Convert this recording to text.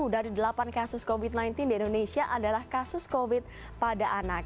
sepuluh dari delapan kasus covid sembilan belas di indonesia adalah kasus covid pada anak